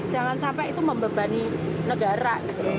jangan sampai itu membebani negara